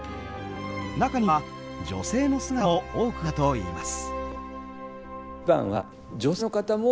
中には女性の姿も多くあったといいます